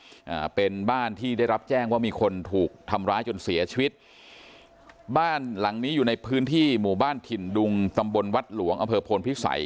อ่าเป็นบ้านที่ได้รับแจ้งว่ามีคนถูกทำร้ายจนเสียชีวิตบ้านหลังนี้อยู่ในพื้นที่หมู่บ้านถิ่นดุงตำบลวัดหลวงอำเภอโพนพิสัย